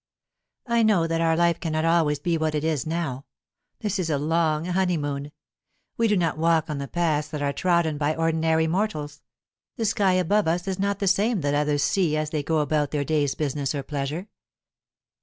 "I know that our life cannot always be what it is now. This is a long honeymoon; we do not walk on the paths that are trodden by ordinary mortals; the sky above us is not the same that others see as they go about their day's business or pleasure.